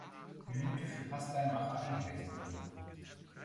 Minute für Pascal Macher eingewechselt wurde.